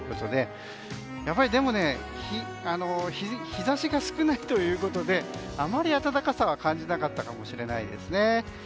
でも日差しが少ないということであまり暖かさは感じなかったかもしれないですね。